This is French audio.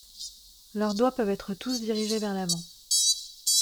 Leurs doigts peuvent être tous dirigés vers l'avant.